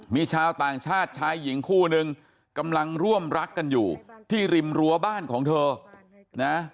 มีชาวต่างชาติชายหญิงคู่นึงกำลังร่วมรักกันอยู่ที่ริมรั้วบ้านของเธอนะ